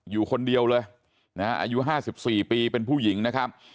อยู่คนเดียวเลยนะฮะอายุ๕๔ปีเป็นผู้หญิงนะครับ